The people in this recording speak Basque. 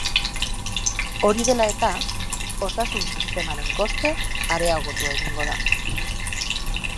Hori dela eta, osasun-sistemaren kostea areagotu egingo da.